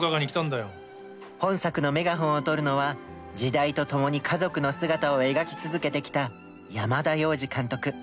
本作のメガホンを取るのは時代とともに家族の姿を描き続けてきた山田洋次監督。